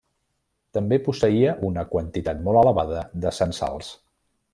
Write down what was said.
També posseïa una quantitat molt elevada de censals.